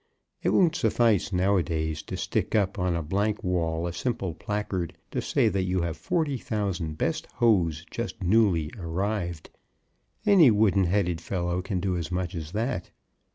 It won't suffice now a days to stick up on a blank wall a simple placard to say that you have forty thousand best hose just new arrived. Any wooden headed fellow can do as much as that.